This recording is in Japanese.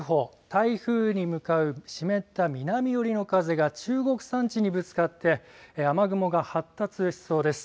台風に向かう湿った南寄りの風が中国山地にぶつかって、雨雲が発達しそうです。